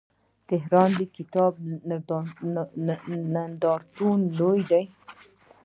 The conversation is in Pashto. د تهران د کتاب نندارتون لوی دی.